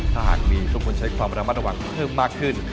ถ้าหากมีทุกคนใช้ความระมัดระวังเพิ่มมากขึ้น